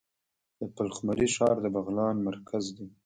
د پلخمري ښار د بغلان مرکز دی